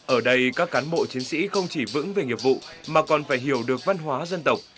ở đây các cán bộ chiến sĩ không chỉ vững về nghiệp vụ mà còn phải hiểu được văn hóa dân tộc